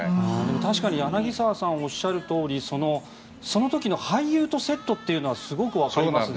確かに柳澤さん、おっしゃるとおりその時の俳優とセットというのはすごくわかりますね。